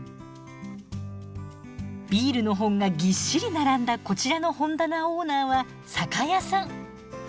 ビールの本がぎっしり並んだこちらの本棚オーナーは酒屋さん。